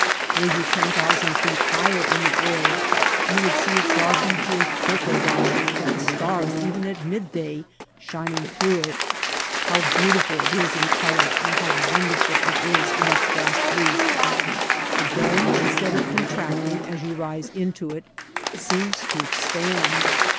Were you ten thousand feet higher in the air you would see it darkened to a purple violet with the stars even at midday shining through it. How beautiful it is in color and how won derful it is in its vast reach ! The dome in stead of contracting as you rise into it, seems to expand.